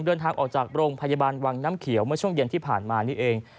เดินทางออกจากโรงพยาบาลวังน้ำเขียวเมื่อช่วงเย็นที่ผ่านมานี่เอง